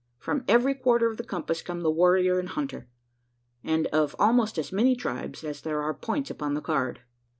From every quarter of the compass come the warrior and hunter; and of almost as many tribes as there are points upon the card.